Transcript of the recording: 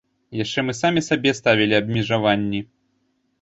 Яшчэ мы самі сабе ставілі абмежаванні.